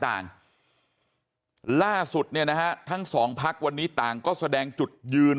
ต่างล่าสุดเนี่ยนะฮะทั้งสองพักวันนี้ต่างก็แสดงจุดยืน